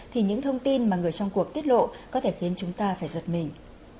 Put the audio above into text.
thì những thông tin mà người trong cuộc tiết lộ có thể khiến chúng ta phải giật mình